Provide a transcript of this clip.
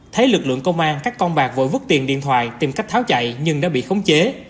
thấy lực lượng công an các con bạc vội vứt tiền điện thoại tìm cách tháo chạy nhưng đã bị khống chế